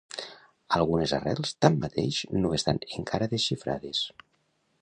Algunes arrels, tanmateix, no estan encara desxifrades.